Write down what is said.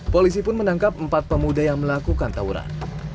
polisi pun menangkap empat pemuda yang melakukan tawuran